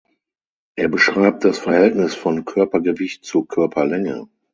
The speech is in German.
Er beschreibt das Verhältnis von Körpergewicht zu Körperlänge.